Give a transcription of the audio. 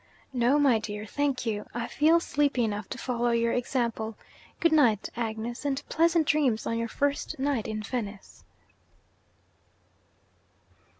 'No, my dear, thank you; I feel sleepy enough to follow your example. Good night, Agnes and pleasant dreams on your first night in Venice.'